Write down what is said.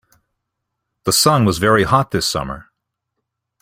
The sun was very hot this summer.